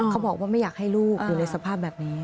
เขาบอกว่าไม่อยากให้ลูกอยู่ในสภาพแบบนี้